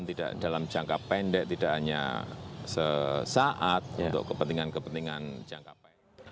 tidak dalam jangka pendek tidak hanya sesaat untuk kepentingan kepentingan jangka pendek